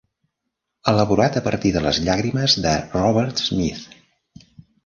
Elaborat a partir de les llàgrimes de Robert Smith.